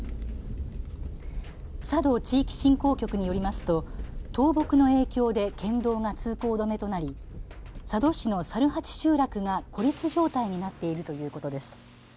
佐渡地域振興局によりますと倒木の影響で県道が通行止めとなり佐渡市の猿八集落が孤立状態になっているということです。